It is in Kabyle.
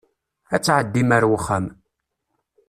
Ad tɛeddim ar wexxam.